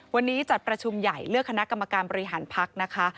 วันนี้จัดประชุมใหญ่เลือกคณะกรรมการบริหารพักนะคะ